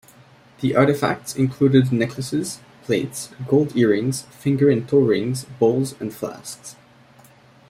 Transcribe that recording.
The artifacts included necklaces, plates, gold earrings, finger and toe rings, bowls and flasks.